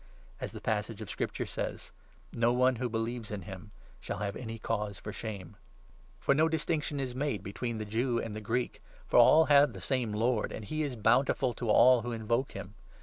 As the passage of Scripture 'says — 1 1 ' No one who believes in him shall have any cause for shame.' For no distinction is made between the Jew and the Greek, for 12 all have the same Lord, and he is bountiful to all who invoke 'him.